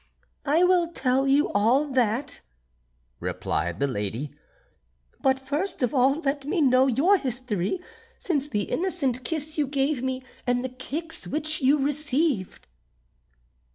"I will tell you all that," replied the lady, "but first of all let me know your history, since the innocent kiss you gave me and the kicks which you received."